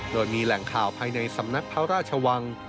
โดยมีแหล่งข่าวภายในสำนักพระราชวัง